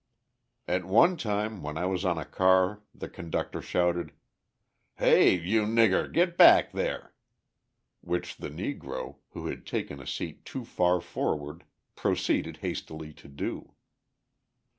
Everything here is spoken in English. At one time, when I was on a car the conductor shouted: "Heh, you nigger, get back there," which the Negro, who had taken a seat too far forward, proceeded hastily to do.